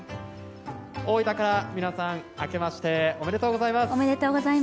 大分から皆さん明けましておめでとうございます。